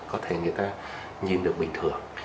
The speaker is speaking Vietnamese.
có thể người ta nhìn được bình thường